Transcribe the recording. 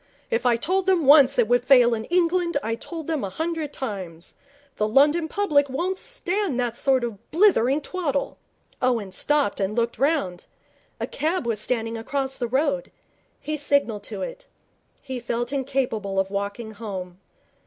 If I told them once it would fail in England, I told them a hundred times. The London public won't stand that sort of blithering twaddle.' Owen stopped and looked round. A cab was standing across the road. He signalled to it. He felt incapable of walking home.